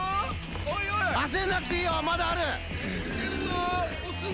焦んなくていいよ、まだある。